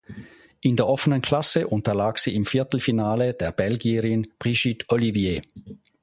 In der offenen Klasse unterlag sie im Viertelfinale der Belgierin Brigitte Olivier.